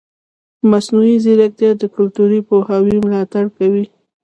مصنوعي ځیرکتیا د کلتوري پوهاوي ملاتړ کوي.